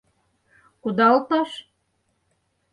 — Кудалташ?!